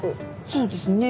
そうですね。